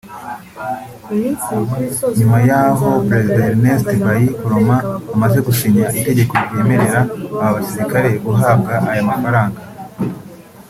nyuma y’aho Perezida Ernest Bai Koroma amaze gusinya itegeko ryemerera aba basirikare guhabwa aya mafaranga